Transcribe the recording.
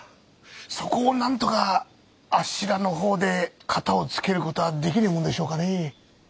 そこをなんとかあっしらの方で片をつける事はできねえもんでしょうかねぇ。